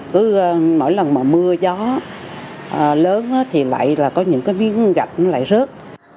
cứ mỗi lần mà mưa gió lớn thì lại là có những cái viên gạch nó lại rớt